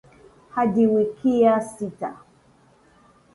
hadi wikiya sita